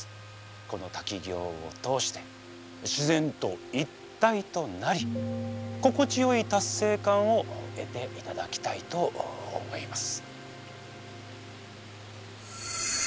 この滝行を通して自然と一体となり心地よい達成感を得ていただきたいと思います。